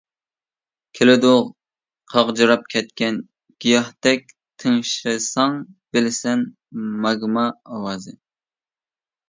كېلىدۇ قاغجىراپ كەتكەن گىياھتەك، تىڭشىساڭ بىلىسەن ماگما ئاۋازى.